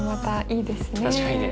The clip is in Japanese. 確かにね